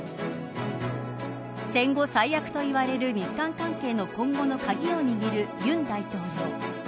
戦後最悪といわれる日韓関係の今後の鍵を握る尹大統領。